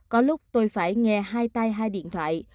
có lúc tôi phải nghe hai tay hai điện thoại